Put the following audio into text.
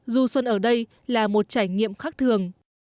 du xuân ở đây là một trải nghiệm khác thường